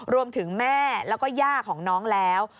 รวมถึงแม่แล้วก็ย่าของน้องแล้ว